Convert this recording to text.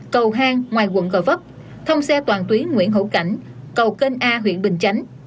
cầu hang ngoài quận gò vấp thông xe toàn tuyến nguyễn hữu cảnh cầu kênh a huyện bình chánh